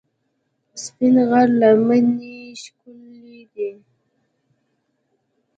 سپین غر لمنې ښکلې دي؟